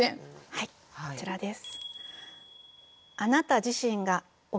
はいこちらです。